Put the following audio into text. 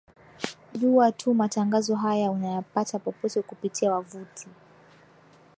jua tu matangazo haya unayapata popote kupitia wavuti